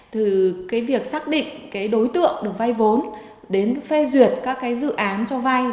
từ việc xác định đối tượng được vay vốn đến phê duyệt các dự án cho vay